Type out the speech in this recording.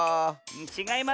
ちがいますね。